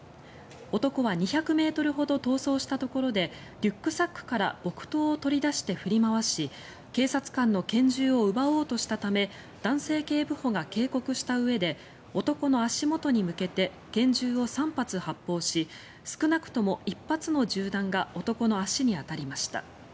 男は２００ｍほど逃走したところでリュックサックから木刀を取り出して振り回し警察官の拳銃を奪おうとしたため男性警部補が警告したうえで男の足元に向けて拳銃を３発発砲し少なくとも１発の銃弾が男の足に当たりました。